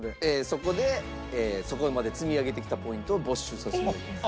そこでそこまで積み上げてきたポイントを没収させて頂きます。